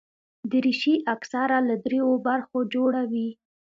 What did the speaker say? دریشي اکثره له درېو برخو جوړه وي.